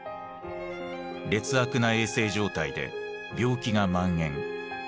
劣悪な衛生状態で病気が蔓延。